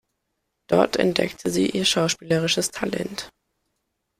Dort entdeckte sie ihr schauspielerisches Talent.